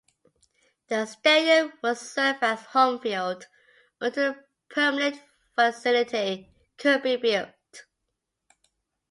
The stadium would serve as home field until a permanent facility could be built.